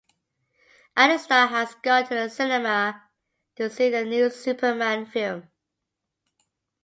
Alistair has gone to the cinema to see the new Superman film.